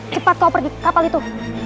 cepat kau pergi ke kapal itu